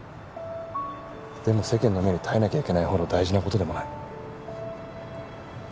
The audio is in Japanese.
でも世間の目に耐えなきゃいけないほど大事な事でもない。